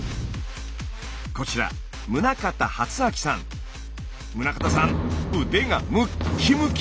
こちら宗像さん腕がムッキムキ！